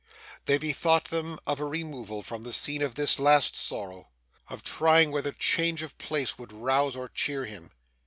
They bethought them of a removal from the scene of this last sorrow; of trying whether change of place would rouse or cheer him.